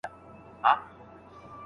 آیا یخچال تر کوټې سوړ دی؟